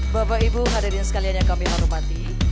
bapak ibu hadirin sekalian yang kami hormati